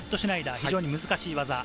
非常に難しい技。